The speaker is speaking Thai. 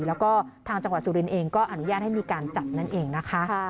แล้วก็ทางจังหวัดสุรินเองก็อนุญาตให้มีการจัดนั่นเองนะคะ